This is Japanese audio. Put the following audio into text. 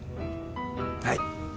はい。